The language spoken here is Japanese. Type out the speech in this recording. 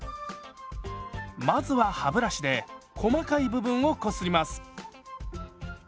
まずは歯ブラシで細かい部分をこすります。